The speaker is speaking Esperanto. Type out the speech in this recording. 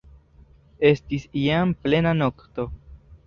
Estis jam plena nokto.